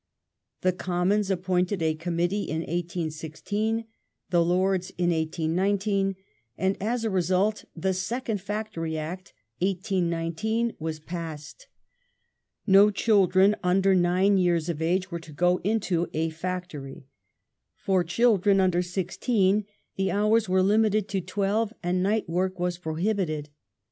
The Com mons appointed a Committee in 1816, the Lords in 1819, and as a result the Second Factory Act (1819) was passed. No children under nine yeai's of age were to go into a factory ; for children under sixteen the hours were limited to twelve, and night work was prohibited.